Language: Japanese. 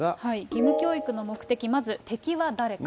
義務教育の目的、まず、敵は誰か。